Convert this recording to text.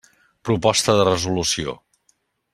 Proposta de resolució.